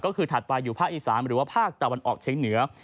ก็คือถัดไปอยู่ภาคอีสานหรือว่าภาคตะวันออกเชียงเหนือ